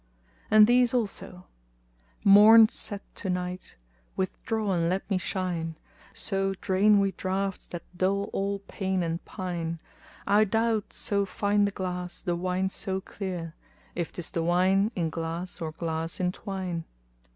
And these also:— Morn saith to Night, "withdraw and let me shine;" * So drain we draughts that dull all pain and pine:[FN#244] I doubt, so fine the glass, the wine so clear, * If 'tis the wine in glass or glass in wine.